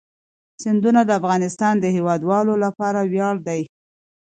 سیندونه د افغانستان د هیوادوالو لپاره ویاړ دی.